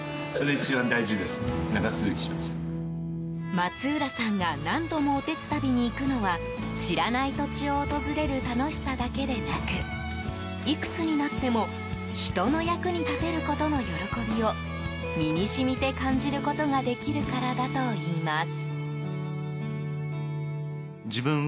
松浦さんが何度もおてつたびに行くのは知らない土地を訪れる楽しさだけでなくいくつになっても人の役に立てることの喜びを身に染みて感じることができるからだといいます。